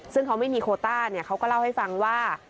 ซึ่งเขาไม่มีโคต้าเขาก็เล่าให้ฟังว่า